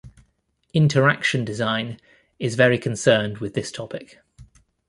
Interaction design is very concerned with this topic.